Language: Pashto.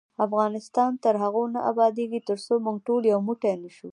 افغانستان تر هغو نه ابادیږي، ترڅو موږ ټول یو موټی نشو.